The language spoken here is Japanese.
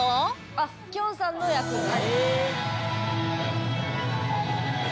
あっきょんさんの役ね。